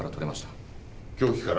凶器からは？